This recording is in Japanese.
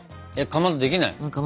かまどできない？